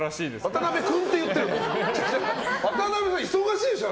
渡部さん、だって忙しいでしょ。